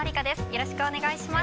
よろしくお願いします。